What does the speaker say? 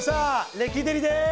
レキデリです！